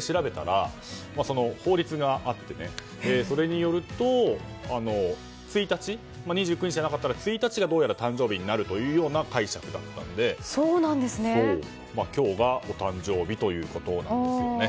調べたら、法律があってそれによると２９日がなかったら１日が誕生日になるような解釈だったので今日がお誕生日ということなんですよね。